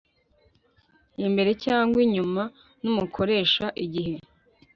imbere cyangwa inyuma n umukoresha igihe